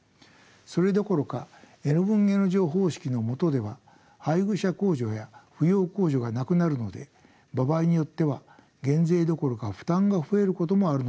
それどころかＮ分Ｎ乗方式の下では配偶者控除や扶養控除がなくなるので場合によっては減税どころか負担が増えることもあるのです。